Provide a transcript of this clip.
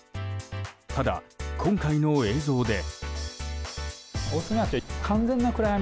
ただ、今回の映像で。